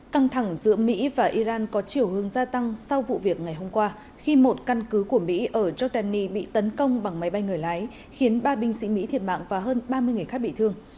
căng thẳng giữa mỹ và iran có chiều hướng gia tăng sau vụ việc ngày hôm qua khi một căn cứ của mỹ ở jordani bị tấn công bằng máy bay người lái khiến ba binh sĩ mỹ thiệt mạng và hơn ba mươi người khác bị thương